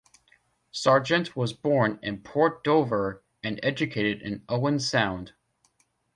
Sargent was born in Port Dover, and educated in Owen Sound.